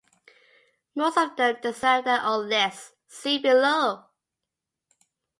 Most of them deserve their own lists, see below.